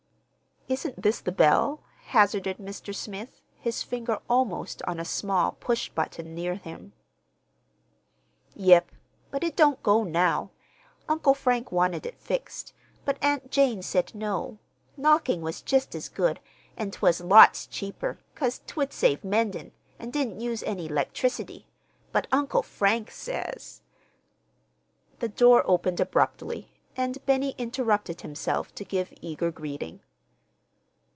"Isn't this the bell?" hazarded Mr. Smith, his finger almost on a small push button near him. "Yep, but it don't go now. Uncle Frank wanted it fixed, but Aunt Jane said no; knockin' was just as good, an' 'twas lots cheaper, 'cause 'twould save mendin', and didn't use any 'lectricity. But Uncle Frank says—" The door opened abruptly, and Benny interrupted himself to give eager greeting.